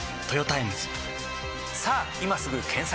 さぁ今すぐ検索！